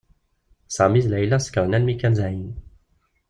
Sami d Layla sekren almi kan dayen.